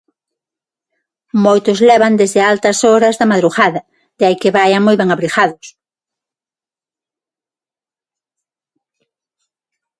Moitos levan desde altas horas da madrugada, de aí que vaian moi ben abrigados.